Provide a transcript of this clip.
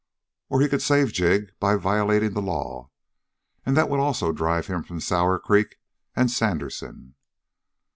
Or he could save Jig by violating the law, and that also would drive him from Sour Creek and Sandersen.